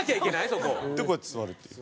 そこ。でこうやって座るっていう。